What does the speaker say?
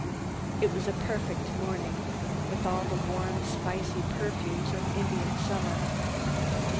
It was a perfect morning, with all the warm spicy perfumes of Indian summer.